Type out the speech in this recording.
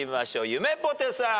ゆめぽてさん。